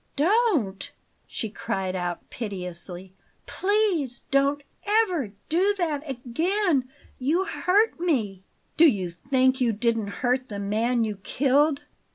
"Don't!" she cried out piteously. "Please don't ever do that again! You hurt me!" "Do you think you didn't hurt the man you killed?"